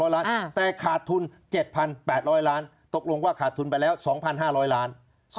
แต่ขาดทุน๗๘๐๐ล้านตกลงว่าขาดทุนไปแล้ว๒๕๐๐ล้าน